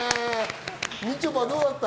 みちょぱ、どうだった？